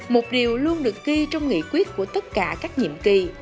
một điều luôn được ghi trong nghị quyết của tất cả các nhiệm kỳ